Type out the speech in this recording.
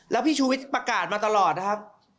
แล้วพี่ชูวิทย์ประกาศมาตลอดนะครับ